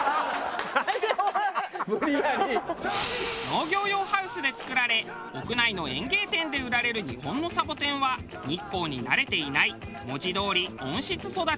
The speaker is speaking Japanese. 農業用ハウスで作られ屋内の園芸店で売られる日本のサボテンは日光に慣れていない文字どおり温室育ち。